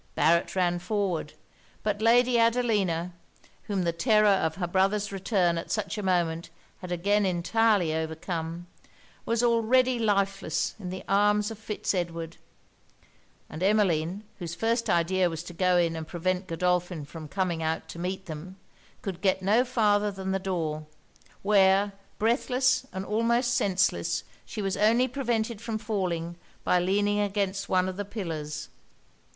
Barret ran forward. But Lady Adelina (whom the terror of her brother's return at such a moment had again entirely overcome), was already lifeless in the arms of Fitz Edward; and Emmeline, whose first idea was to go in and prevent Godolphin from coming out to meet them, could get no farther than the door; where, breathless and almost senseless, she was only prevented from falling by leaning against one of the pillars.